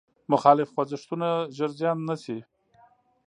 مخالف خوځښتونه ژر زیان نه شي.